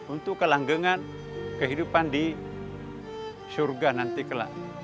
untuk kelanggangan kehidupan di syurga nanti kelar